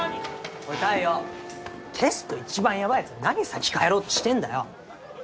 おい太陽テスト一番ヤバいヤツが何先帰ろうとしてんだよ！